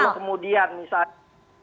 kalau kemudian misalnya